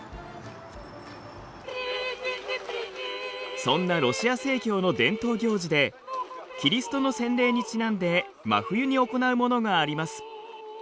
そんなロシア正教の伝統行事でキリストの洗礼にちなんで真冬に行うものがあります。